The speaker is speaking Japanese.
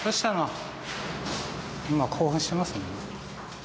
今興奮してますね。